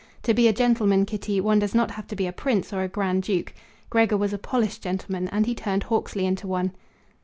To be a gentleman, Kitty, one does not have to be a prince or a grand duke. Gregor was a polished gentleman, and he turned Hawksley into one."